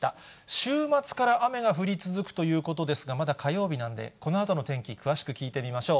週末から雨が降り続くということですが、まだ火曜日なんで、このあとの天気、詳しく聞いてみましょう。